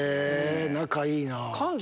仲いいなぁ。